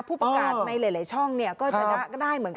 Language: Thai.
ผู้ประการนี้นะที่หลายช่องก็ได้เหมือนกัน